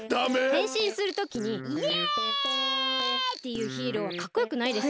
へんしんするときに「イエイ！」っていうヒーローはかっこよくないです。